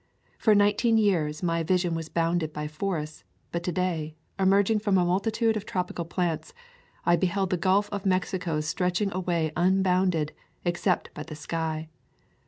For nineteen years my vision was bounded by forests, but to day, emerging from a multitude of tropical plants, I beheld the Gulf of Mexico stretching away unbounded, except by the sky.